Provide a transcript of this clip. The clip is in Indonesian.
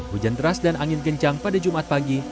hujan deras dan angin kencang pada jumat pagi